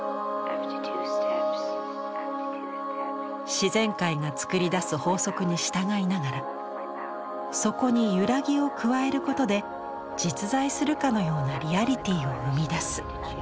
自然界がつくり出す法則に従いながらそこにゆらぎを加えることで実在するかのようなリアリティーを生み出す。